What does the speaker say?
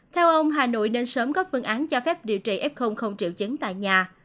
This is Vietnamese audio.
theo ông hà nội nên sớm có phương án cho phép điều trị f không triệu chứng tại nhà